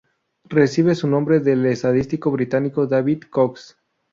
Recibe su nombre del estadístico británico David Cox.